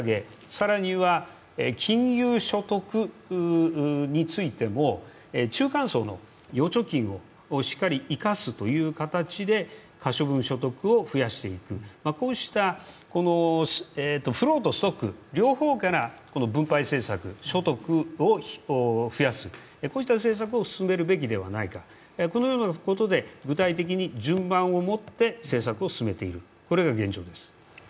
更には、金融所得についても、中間層の預貯金をしっかり生かすという形で可処分所得を増やしていく、こうしたフローとストック、こうした両方から分配政策、所得を増やす、こうした政策を進めるべきではないかこのようなことで具体的に順番をもって政策を進めている、これが現状です。